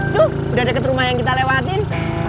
tuh udah deket rumah yang kita lewatin